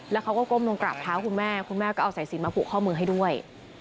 แล้วเขาก็ก้มลงกราบเท้าคุณแม่คุณแม่ก็เอาสายสินมาผูกข้อมือให้ด้วย